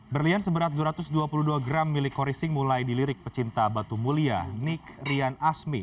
berlian seberat dua ratus dua puluh dua gram milik khori singh mulai dilirik pecinta batu mulia nick rian asmi